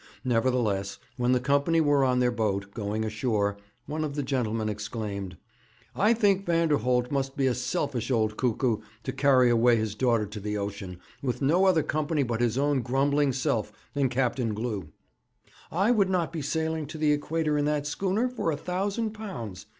Nevertheless, when the company were in their boat, going ashore, one of the gentlemen exclaimed: 'I think Vanderholt must be a selfish old cuckoo to carry away his daughter to the ocean, with no other company but his own grumbling self and Captain Glew.' 'I would not be sailing to the Equator in that schooner for a thousand pounds!'